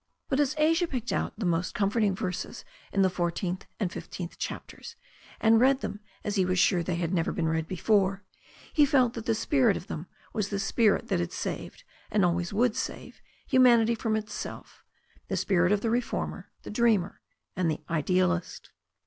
But as Asia picked out the most comforting verses in the fourteenth and fifteenth chapters, and read them as he was sure they had never been read before, he felt that the spirit of them was the spirit that had saved and always would save humanity from itself, the spirit of the reformer, the dreamer and the idealist.